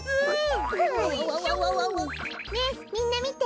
ねえみんなみて。